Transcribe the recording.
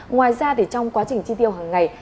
ngoài ra trong quá trình chi tiêu hằng ngày